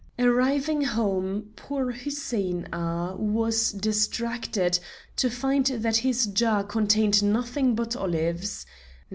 Arriving home, poor Hussein Agha was distracted to find that his jar contained nothing but olives.